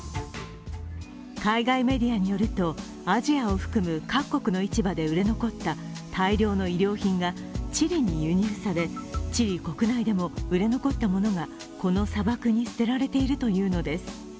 海外メディアによるとアジアを含む各国の市場で売れ残った大量の衣料品がチリに輸入されチリ国内でも売れ残ったものがこの砂漠に捨てられているというのです。